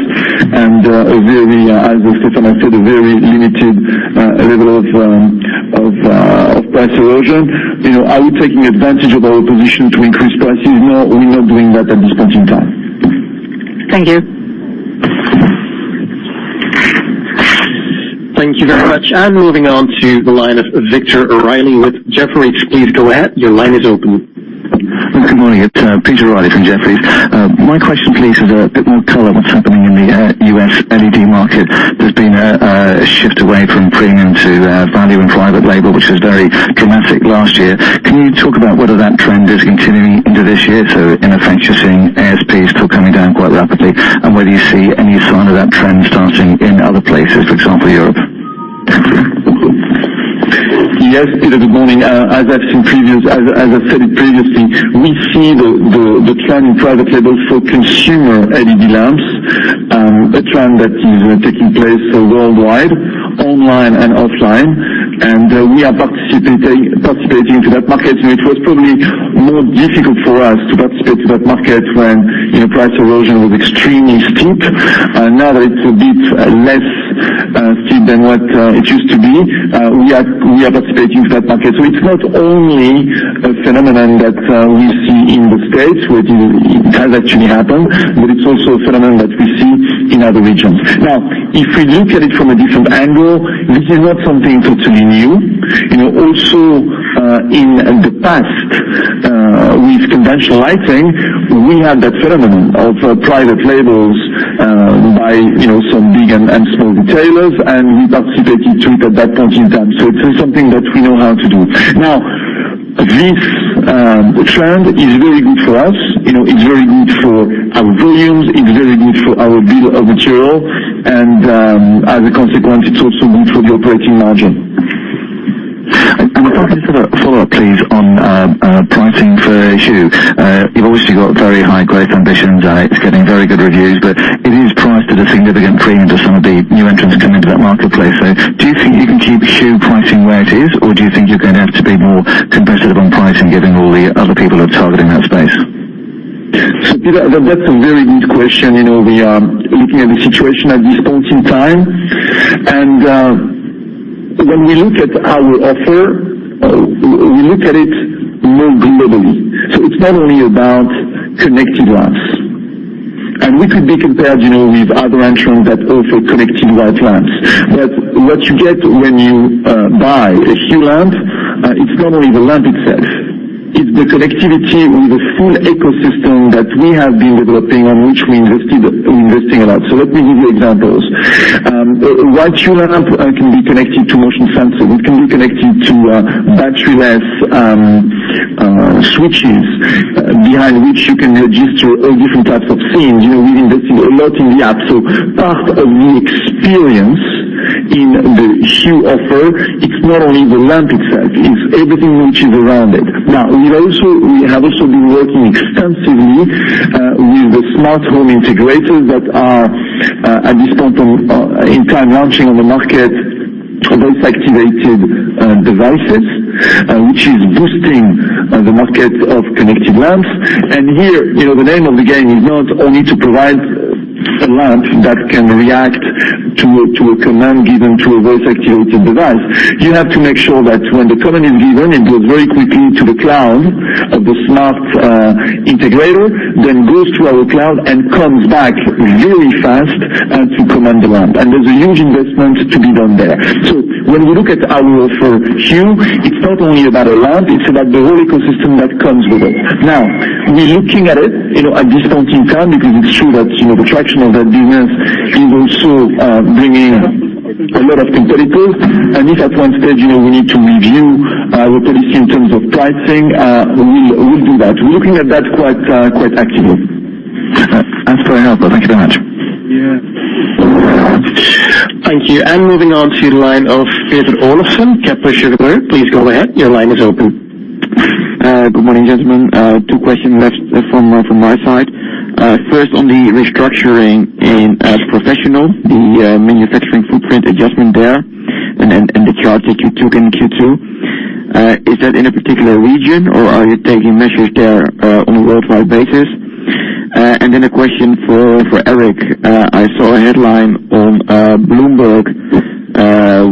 and as Stéphane said, a very limited level of price erosion. Are we taking advantage of our position to increase prices? No, we're not doing that at this point in time. Thank you. Thank you very much. Moving on to the line of Peter Riley with Jefferies. Please go ahead. Your line is open. Good morning. It's Peter Riley from Jefferies. My question, please, is a bit more color what's happening in the U.S. LED market. There's been a shift away from premium to value and private label, which was very dramatic last year. Can you talk about whether that trend is continuing into this year? In effect, you're seeing ASPs still coming down quite rapidly. Whether you see any sign of that trend starting in other places, for example, Europe? Thank you. Yes, Peter, good morning. As I've said previously, we see the trend in private labels for consumer LED lamps, a trend that is taking place worldwide, online and offline. We are participating into that market. It was probably more difficult for us to participate in that market when price erosion was extremely steep. Now that it's a bit less steep than what it used to be, we are participating in that market. It's not only a phenomenon that we see in the States where it has actually happened, but it's also a phenomenon that we see in other regions. Now, if we look at it from a different angle, this is not something totally new. Also in the past, with conventional lighting, we had that phenomenon of private labels by some big and small retailers, and we participated to it at that point in time. It is something that we know how to do. Now, this trend is very good for us. It's very good for our volumes. It's very good for our bill of material, and as a consequence, it's also good for the operating margin. Can I just have a follow-up, please, on pricing for Hue? You've obviously got very high growth ambitions, and it's getting very good reviews, but it is priced at a significant premium to some of the new entrants that come into that marketplace. Do you think you can keep Hue pricing where it is, or do you think you're going to have to be more competitive on pricing, given all the other people that are targeting that space? Peter, that's a very good question. We are looking at the situation at this point in time, and when we look at our offer, we look at it more globally. It's not only about connected lamps. We could be compared with other entrants that offer connected white lamps. What you get when you buy a Hue lamp, it's not only the lamp itself, it's the connectivity with the full ecosystem that we have been developing on which we investing a lot. Let me give you examples. One Hue lamp can be connected to motion sensors. It can be connected to battery-less switches behind which you can register all different types of scenes. We've invested a lot in the app. Part of the experience in the Hue offer, it's not only the lamp itself, it's everything which is around it. We have also been working extensively with the smart home integrators that are, at this point in time, launching on the market voice-activated devices, which is boosting the market of connected lamps. Here, the name of the game is not only to provide a lamp that can react to a command given to a voice-activated device. You have to make sure that when the command is given, it goes very quickly to the cloud of the smart integrator, then goes to our cloud and comes back really fast to command the lamp. There's a huge investment to be done there. When we look at our offer, Hue, it's not only about a lamp, it's about the whole ecosystem that comes with it. We're looking at it at this point in time because it's true that the traction of that business is also bringing a lot of competitors. If at one stage we need to review our policy in terms of pricing, we will do that. We're looking at that quite actively. That's very helpful. Thank you very much. Yeah. Thank you. Moving on to the line of Peter Olofsen, Kepler Cheuvreux. Please go ahead. Your line is open. Good morning, gentlemen. Two questions left from my side. First on the restructuring in Professional, the manufacturing footprint adjustment there and the charge that you took in Q2. Is that in a particular region, or are you taking measures there on a worldwide basis? Then a question for Eric. I saw a headline on Bloomberg,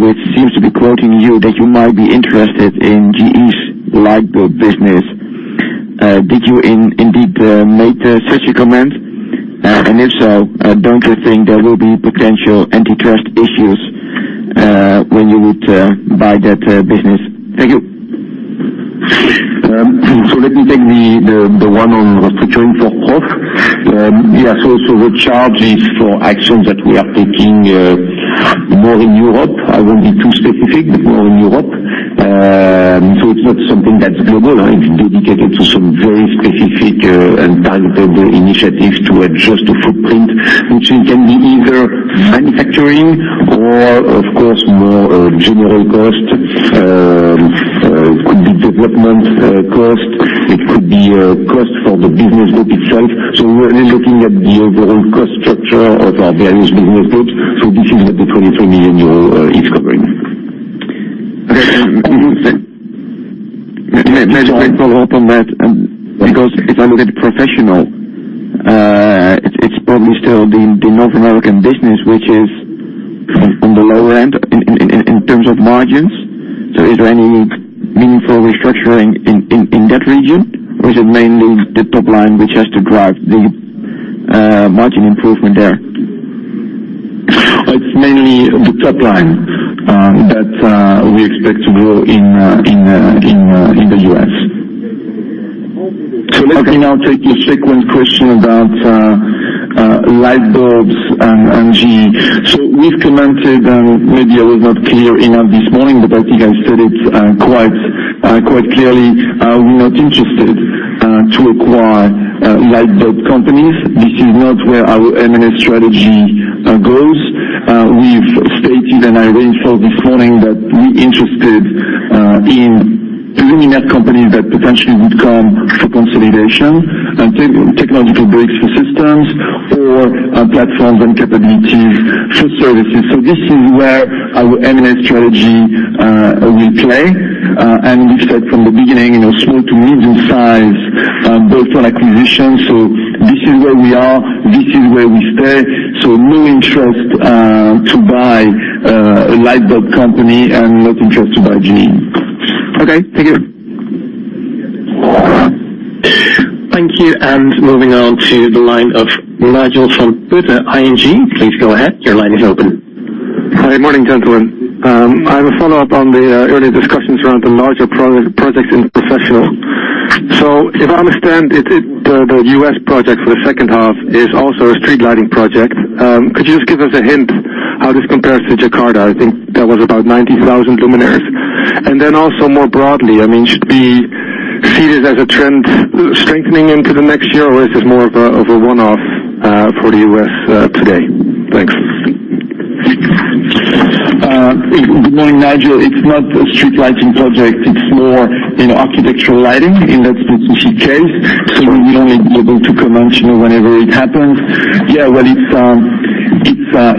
which seems to be quoting you that you might be interested in GE's light bulb business. Did you indeed make such a comment? If so, don't you think there will be potential antitrust issues when you would buy that business? Thank you. Let me take the one on restructuring for Professional. Yes. The charge is for actions that we are taking more in Europe. I won't be too specific, but more in Europe. It's not something that's global. It's dedicated to some very specific and targeted initiatives to adjust the footprint, which can be either manufacturing or of course, more general cost. It could be development cost, it could be cost for the business group itself. We're really looking at the overall cost structure of our various business groups. This is what the EUR 23 million is covering. Okay. May I follow up on that? Because if I look at Professional, it's probably still the North American business which is on the lower end in terms of margins. Is there any meaningful restructuring in that region? Or is it mainly the top line which has to drive the margin improvement there? It's mainly the top line that we expect to grow in the U.S. Let me now take your second question about light bulbs and GE. We've commented, and maybe I was not clear enough this morning, but I think I said it quite clearly. We're not interested to acquire light bulb companies. This is not where our M&A strategy goes. We've stated, and I reinforced this morning, that we're interested in luminaire companies that potentially would come for consolidation and technological breaks for systems or platforms and capabilities for services. This is where our M&A strategy will play. We said from the beginning, small to medium-size build-on acquisitions. This is where we are, this is where we stay. No interest to buy a light bulb company and not interested to buy GE. Okay, thank you. Thank you. Moving on to the line of Nigel from ING. Please go ahead. Your line is open. Good morning, gentlemen. I have a follow-up on the earlier discussions around the larger projects in Professional. If I understand, the U.S. project for the second half is also a street lighting project. Could you just give us a hint how this compares to Jakarta? I think that was about 90,000 luminaires. Then also more broadly, should we see this as a trend strengthening into the next year, or is this more of a one-off for the U.S. today? Thanks. Good morning, Nigel. It's not a street lighting project. It's more architectural lighting in that specific case. We will only be able to comment whenever it happens. It's a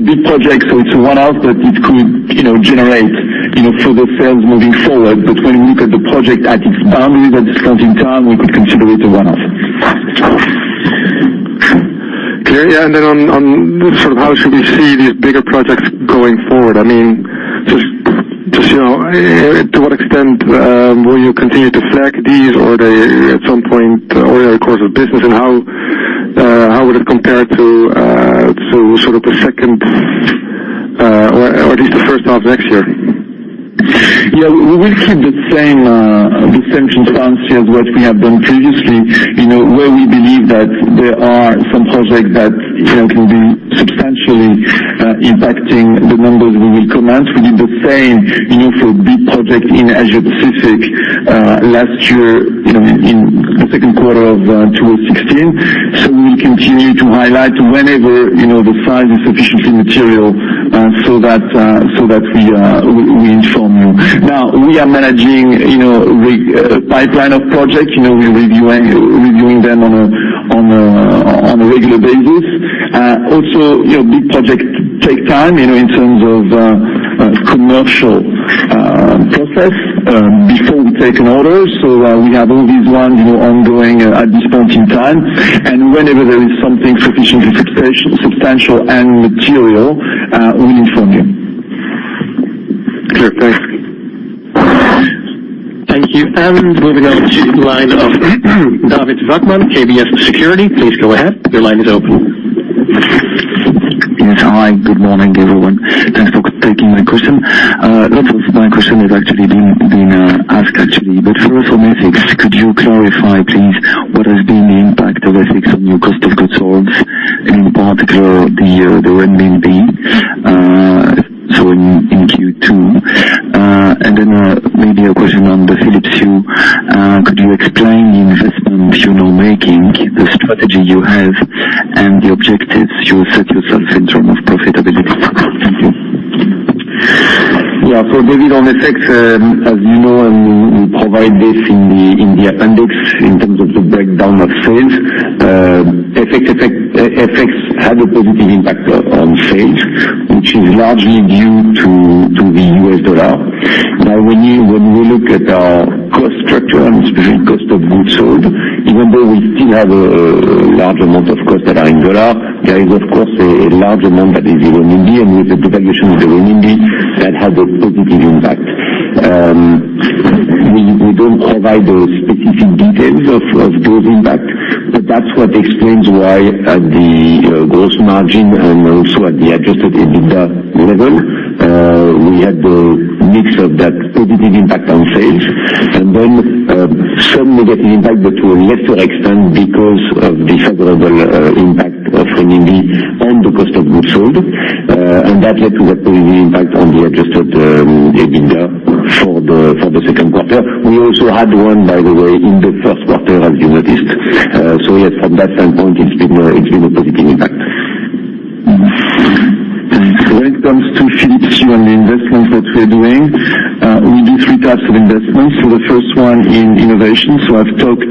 big project, it's a one-off, but it could generate further sales moving forward. When you look at the project at its value, at this point in time, we could consider it a one-off. Clear. How should we see these bigger projects going forward? To what extent will you continue to flag these? They, at some point, order course of business, how would it compare to the second, or at least the first half next year? We will keep the same consistency as what we have done previously, where we believe that there are some projects that can be substantially impacting the numbers we will comment. We did the same for a big project in Asia-Pacific last year in the second quarter of 2016. We will continue to highlight whenever the size is sufficiently material we inform you. We are managing a pipeline of projects. We're reviewing them on a regular basis. Big projects take time in terms of commercial process before we take an order. We have all these ones ongoing at this point in time. Whenever there is something sufficiently substantial and material, we inform you. Clear. Thanks. Thank you. Moving on to the line of David Ryzhik, KBC Securities. Please go ahead. Your line is open. Yes. Hi. Good morning, everyone. Thanks for taking my question. Lots of my question has actually been asked. First on FX, could you clarify please what has been the impact of FX on your cost of goods sold, in particular the RMB, in Q2? Then maybe a question on the Philips Hue. Could you explain the investments you're now making, the strategy you have, and the objectives you set yourself in terms of profitability? Thank you. For David, on FX, as you know, we provide this in the appendix in terms of the breakdown of sales. FX had a positive impact on sales, which is largely due to the US dollar. When we look at our cost structure and cost of goods sold, even though we still have a large amount of costs that are in dollar, there is, of course, a large amount that is euro, and with the depreciation of the euro, that had a positive impact. We don't provide those specific details of those impacts, but that's what explains why at the gross margin and also at the adjusted EBITDA level, we had the mix of that positive impact on sales and then some negative impact, but to a lesser extent because of the favorable impact of renminbi and the cost of goods sold. That led to that positive impact on the adjusted EBITDA for the second quarter. We also had one, by the way, in the first quarter, as you noticed. Yes, from that standpoint, it's been a positive impact. Thanks. When it comes to Philips Hue and the investments that we're doing, we do 3 types of investments. The first one in innovation. I've talked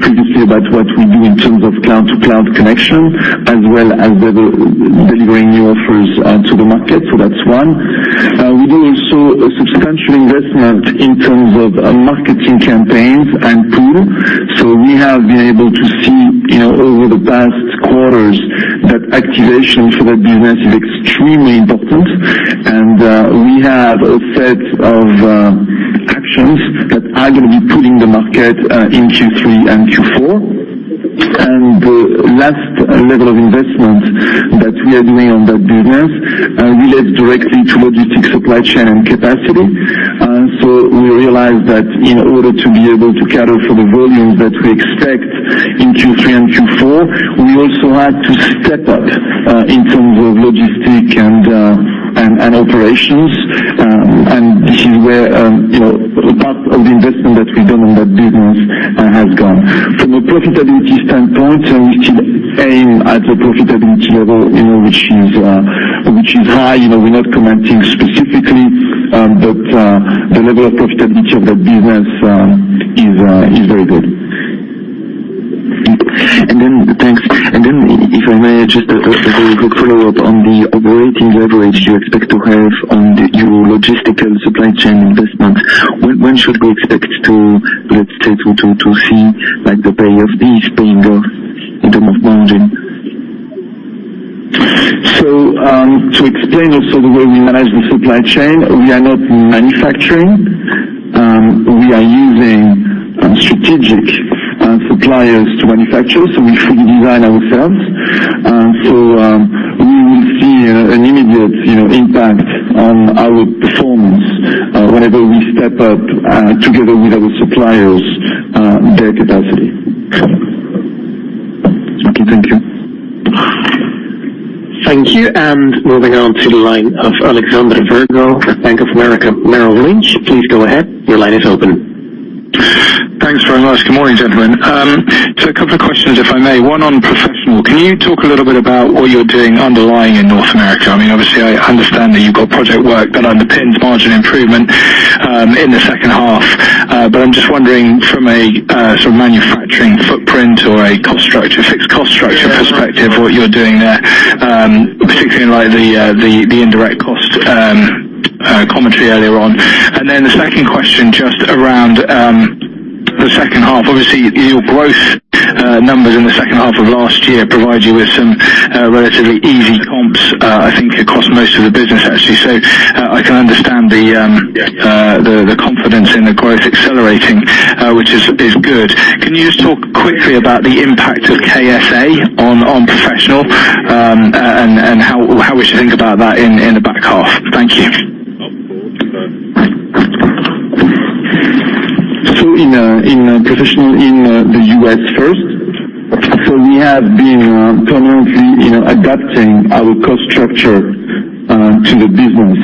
previously about what we do in terms of cloud-to-cloud connection as well as delivering new offers to the market, that's one. We do also a substantial investment in terms of marketing campaigns and 2. We have been able to see over the past quarters that activation for that business is extremely important and we have a set of actions that are going to be put in the market in Q3 and Q4. The last level of investment that we are doing on that business relates directly to logistics supply chain and capacity. We realized that in order to be able to cater for the volume that we expect in Q3 and Q4, we also had to step up in terms of logistics and operations. This is where part of the investment that we've done on that business has gone. From a profitability standpoint, we still aim at the profitability level which is high. We're not commenting specifically, but the level of profitability of that business is very good. Thanks. If I may just very quick follow-up on the operating leverage you expect to have on your logistics supply chain investment. When should we expect to see the pay of these paying off in terms of margin? To explain also the way we manage the supply chain, we are not manufacturing. We are using strategic suppliers to manufacture, we fully design ourselves. We will see an immediate impact on our performance whenever we step up, together with our suppliers, their capacity. Okay. Thank you. Thank you. Moving on to the line of Alexander Virgo at Bank of America Merrill Lynch. Please go ahead. Your line is open. Thanks very much. Good morning, gentlemen. A couple of questions if I may. One on Professional. Can you talk a little bit about what you're doing underlying in North America? Obviously I understand that you've got project work that underpins margin improvement in the second half. I'm just wondering from a sort of manufacturing footprint or a fixed cost structure perspective, what you're doing there, particularly in light of the indirect cost commentary earlier on. Then the second question just around the second half. Obviously your growth numbers in the second half of last year provide you with some relatively easy comps I think across most of the business actually. I can understand the confidence in the growth accelerating, which is good. Can you just talk quickly about the impact of KSA on Professional, and how we should think about that in the back half? Thank you. In Professional in the U.S. first. We have been permanently adapting our cost structure to the business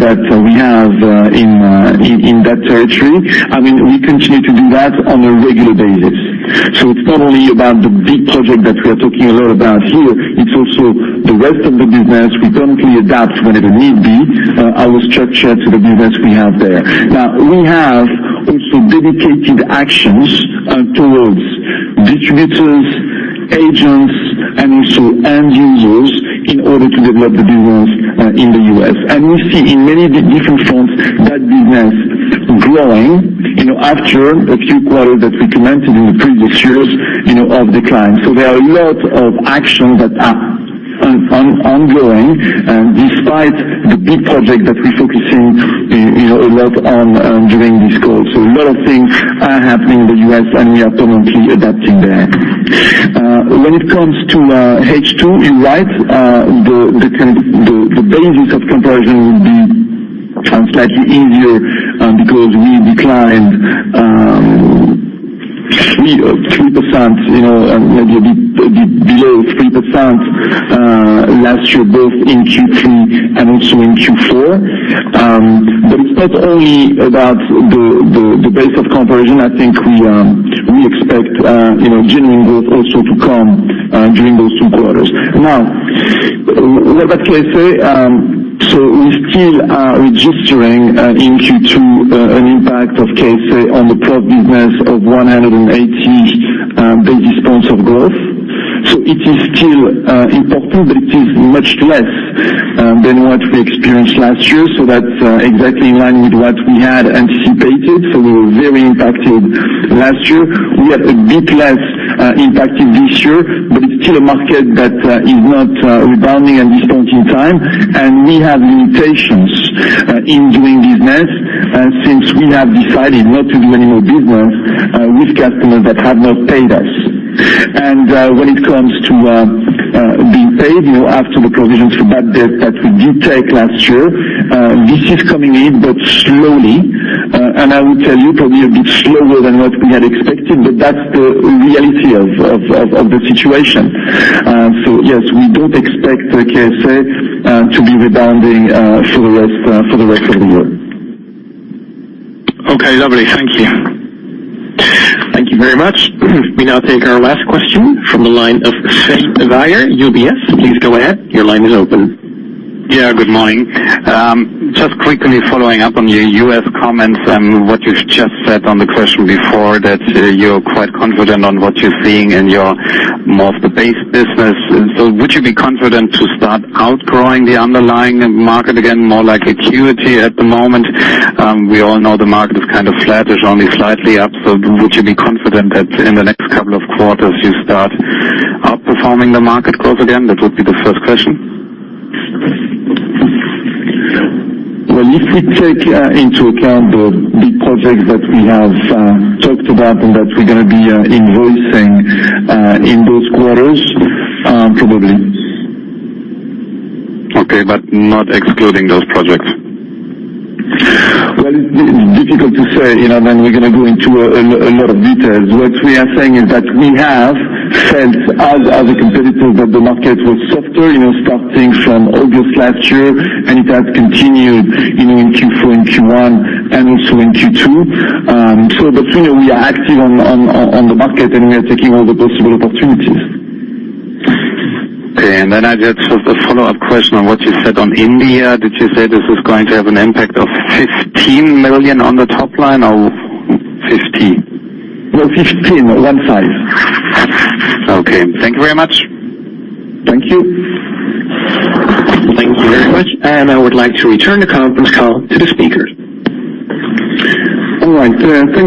that we have in that territory. We continue to do that on a regular basis. It is not only about the big project that we are talking a lot about here, it is also the rest of the business. We permanently adapt whenever need be, our structure to the business we have there. Now, we have also dedicated actions towards distributors, agents and also end users in order to develop the business in the U.S. We see in many different forms that business growing after a few quarters that we commented in the previous years of decline. There are a lot of actions that are ongoing despite the big project that we are focusing a lot on during this call. A lot of things are happening in the U.S. and we are permanently adapting there. When it comes to H2, you are right, the basis of comparison will be slightly easier because we declined 3%, maybe a bit below 3% last year both in Q3 and also in Q4. It is not only about the base of comparison. I think we Expect genuine growth also to come during those two quarters. Now, with that KSA, we still are registering in Q2 an impact of KSA on the core business of 180 basis points of growth. It is still important, but it is much less than what we experienced last year. That is exactly in line with what we had anticipated. We were very impacted last year. We are a bit less impacted this year, but it is still a market that is not rebounding at this point in time, and we have limitations in doing business since we have decided not to do any more business with customers that have not paid us. When it comes to being paid, after the provision for bad debt that we did take last year, this is coming in, but slowly. I will tell you probably a bit slower than what we had expected, but that is the reality of the situation. Yes, we do not expect the KSA to be rebounding for the rest of the year. Okay, lovely. Thank you. Thank you very much. We now take our last question from the line of George Eadie, UBS. Please go ahead. Your line is open. Yeah, good morning. Just quickly following up on your U.S. comments and what you've just said on the question before, that you're quite confident on what you're seeing in your [core] base business. Would you be confident to start outgrowing the underlying market again, more like Acuity at the moment? We all know the market is kind of flat, is only slightly up. Would you be confident that in the next couple of quarters you start outperforming the market growth again? That would be the first question. Well, if we take into account the big projects that we have talked about and that we're going to be invoicing in those quarters, probably. Okay. Not excluding those projects. It's difficult to say. We're going to go into a lot of details. What we are saying is that we have felt, as have the competitors, that the market was softer starting from August last year, and it has continued in Q4 and Q1, and also in Q2. Between them, we are active on the market, and we are taking all the possible opportunities. Okay. I just have a follow-up question on what you said on India. Did you say this is going to have an impact of 15 million on the top line or 50? 15. Okay. Thank you very much. Thank you. Thank you very much. I would like to return the conference call to the speaker. All right. Thank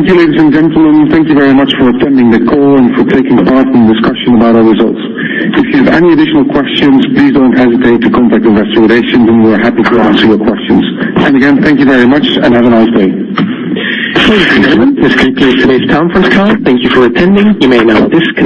you, ladies and gentlemen. Thank you very much for attending the call and for taking part in the discussion about our results. If you have any additional questions, please don't hesitate to contact investor relations, we're happy to answer your questions. Again, thank you very much and have a nice day. Ladies and gentlemen, this concludes today's conference call. Thank you for attending. You may now disconnect.